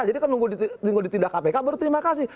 jadi kan minggu ditindak kpk baru terima kasih